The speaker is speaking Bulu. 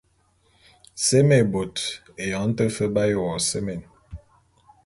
Seme bot, eyong te fe b’aye wo seme.